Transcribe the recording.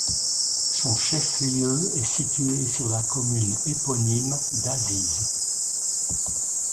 Son chef-lieu est situé sur la commune éponyme d'Aziz.